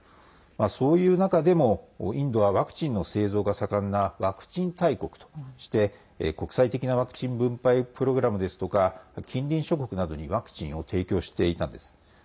そういう中でもインドはワクチンの製造が盛んなワクチン大国として国際的なワクチン分配プログラムですとか近隣諸国などにワクチンを提供していたんです。